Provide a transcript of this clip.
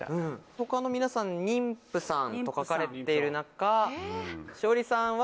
他の皆さんは「妊婦さん」と書かれている中栞里さんは。